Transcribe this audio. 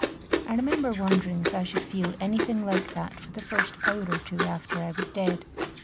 I remember wondering if I should feel any thing like that for the first hour or two after I was dead.